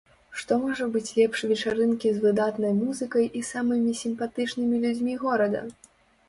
Што можа быць лепш вечарынкі з выдатнай музыкай і самымі сімпатычнымі людзьмі горада?